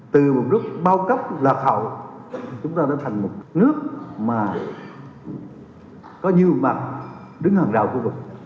từ một nước bao cấp lạc hậu chúng ta đã thành một nước mà có nhiều mặt đứng hàng rào khu vực